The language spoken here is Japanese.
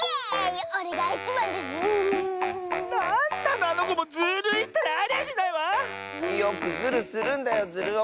よくズルするんだよズルオくんは。